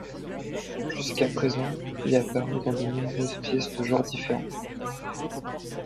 Jusqu'à présent, il est apparu dans de nombreuses pièces de genres différents.